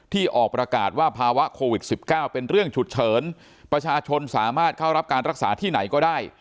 ออกประกาศว่าภาวะโควิด๑๙เป็นเรื่องฉุกเฉินประชาชนสามารถเข้ารับการรักษาที่ไหนก็ได้